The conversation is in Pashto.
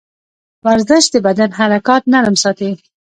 ورزش د بدن حرکات نرم ساتي.